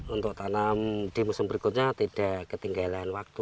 untuk tanam di musim berikutnya tidak ketinggalan waktu